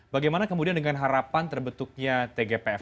bagaimana kemudian dengan harapan terbentuknya tgpf